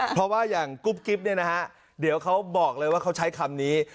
เพราะว่าอย่างกุ๊บกิ๊บอย่าเข้าบอกเลยว่าเขาใช้คำนี้